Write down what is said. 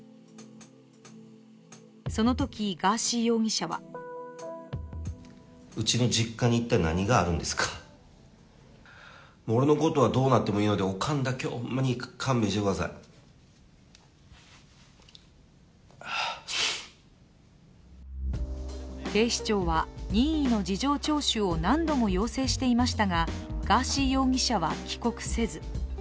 そのとき、ガーシー容疑者は警視庁は任意の事情聴取を何度も要請していましたがガーシー容疑者は帰国せず。